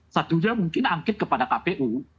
satu juga mungkin angket kepada kpu